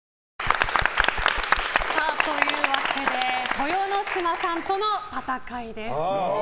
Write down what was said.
豊ノ島さんとの戦いです。